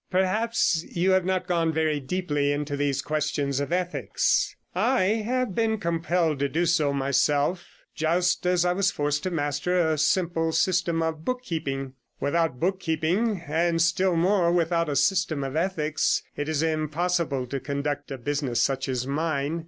'Perhaps you have not gone very deeply into these questions of ethics. I have been compelled to do so myself, just as I was forced to master a simple system of book keeping. Without book keeping, and still more without a system of ethics, it is impossible to conduct a business such as mine.